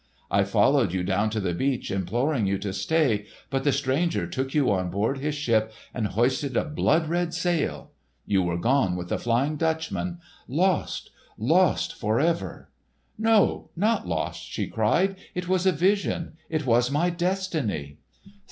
I followed you down to the beach imploring you to stay. But the stranger took you on board his ship, and hoisted a blood red sail. You were gone with the Flying Dutchman—lost—lost forever!" "No, not lost!" she cried. "It was a vision! It was my destiny!"